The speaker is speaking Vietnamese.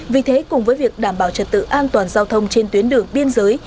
vì thế cùng với việc đảm bảo trật tự an toàn giao thông trên tuyến đường biên giới